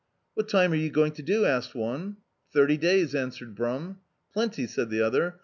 "What time are you going to do?" asked oat. "Thirty days," answered Brum. "PlenQr," said the other.